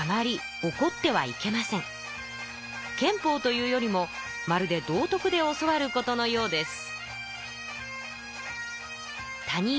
憲法というよりもまるで道徳で教わることのようです。